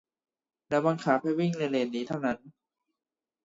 แล้วบังคับให้วิ่งในเลนนี้เท่านั้น